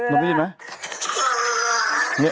น้องพี่ยินไหม